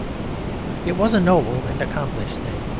It was a noble and accomplished thing.